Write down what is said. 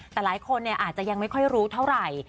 แต่หลายคนอาจจะยังไม่ค่อยรู้เท่าไหร่